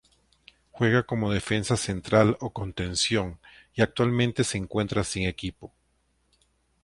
Juega como defensa central o contención y actualmente se encuentra sin equipo.